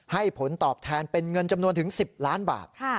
ให้ผลตอบแทนเป็นเงินจำนวนถึง๑๐ล้านบาท